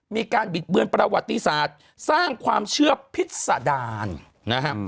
บิดเบือนประวัติศาสตร์สร้างความเชื่อพิษดารนะฮะ